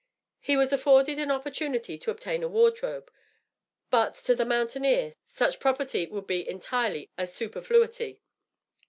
He was afforded an opportunity to obtain a wardrobe, but to the mountaineer, such property would be entirely a superfluity.